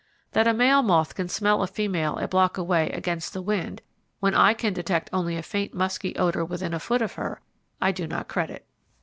That a male moth can smell a female a block away, against the wind, when I can detect only a faint musky odour within a foot of her, I do not credit.